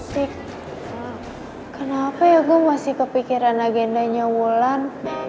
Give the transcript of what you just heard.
sik kenapa ya gue masih kepikiran agendanya ulan